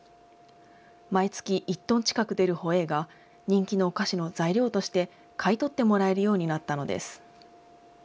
毎月１トン近く出るホエーが、人気のお菓子の材料として、買い取ってもらえるようになったのです。